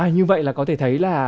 như vậy là có thể thấy là